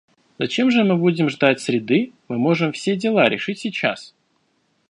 Зачем же мы будем ждать среды, мы можем все дела решить сейчас.